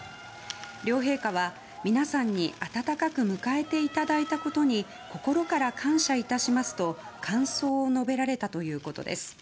両陛下は、皆さんに温かく迎えていただいたことに心から感謝いたしますと、感想を述べられたということです。